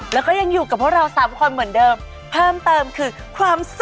แล้วก็ยังอยู่กับพวกเราสามคนเหมือนเดิมเพิ่มเติมคือความสุข